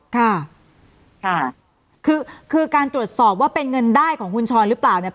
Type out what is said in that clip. ค่ะค่ะคือคือการตรวจสอบว่าเป็นเงินได้ของคุณชรหรือเปล่าเนี่ย